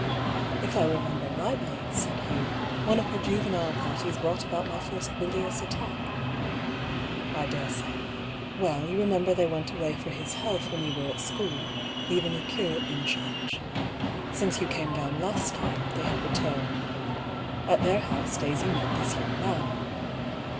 " If I remember rightly," said Hugh, *' one of her juvenile parties brought about my first bil ious attack." " I daresay. Well, you remember they went away for his health when you were at school, leaving a curate 84 I>B. PAULL'S THEORY. in charge. Since you came down last time, they have returned. At their house Daisy met this young man.